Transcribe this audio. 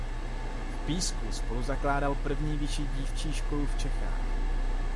V Písku spoluzakládal první vyšší dívčí školu v Čechách.